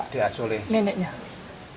di asli neneknya